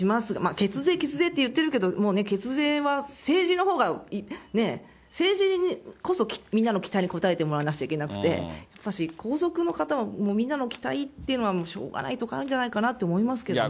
血税、血税って言ってるけど、もう血税は政治のほうが政治こそみんなの期待に応えてもらわなくちゃいけなくて、やっぱし、皇族の方のみんなの期待っていうのは、しょうがないところあるんじゃないかなと思いますけどね。